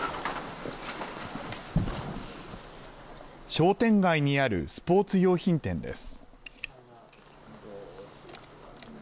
商店街にあるスポーツ用品店です。